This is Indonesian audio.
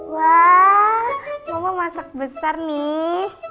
wah mama masak besar nih